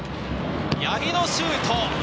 八木のシュート。